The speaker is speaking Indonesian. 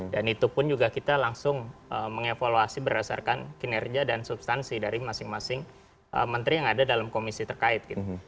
dan itu pun juga kita langsung mengevaluasi berdasarkan kinerja dan substansi dari masing masing menteri yang ada dalam komisi terkait gitu